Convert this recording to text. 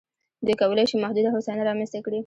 دوی کولای شي محدوده هوساینه رامنځته کړي.